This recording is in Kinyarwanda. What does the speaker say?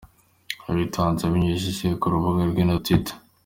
Yabitangaje abinyujije ku rubuga rwe rwa Twitter.